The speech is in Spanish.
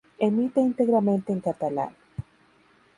Emite íntegramente en catalán.